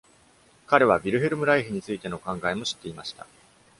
彼は、ヴィルヘルム・ライヒについての考えも知っていました。